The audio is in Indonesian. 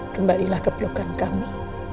kembalilah keperlukan kami